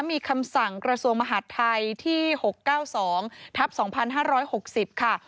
มีคำสั่งกระทรวงมหาดไทยที่๖๙๒ทัพ๒๕๖๐ค่ะ